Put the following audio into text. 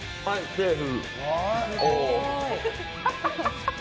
セーフ。